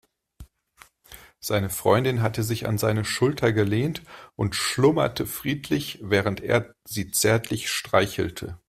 Seine Freundin hatte sich an seine Schulter gelehnt und schlummerte friedlich, während er sie zärtlich streichelte.